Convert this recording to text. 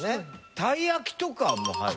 たい焼きとかも入る？